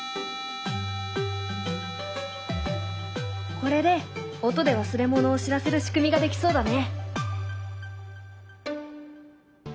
これで音で忘れ物を知らせる仕組みができそうだね。